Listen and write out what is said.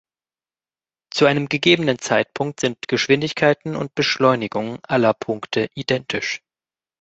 Zu einem gegebenen Zeitpunkt sind Geschwindigkeiten und Beschleunigungen aller Punkte identisch.